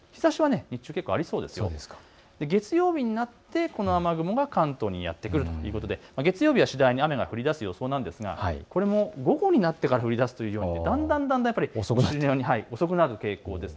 月曜日になってこの雨雲が関東にやって来るということで月曜日は次第に雨が降りだす予想なんですが午後になってから降りだすということでだんだんだんだん遅くなる傾向です。